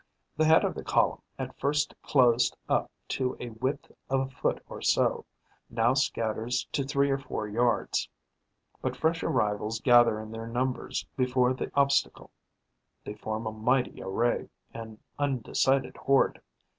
The head of the column, at first closed up to a width of a foot or so, now scatters to three or four yards. But fresh arrivals gather in their numbers before the obstacle; they form a mighty array, an undecided horde.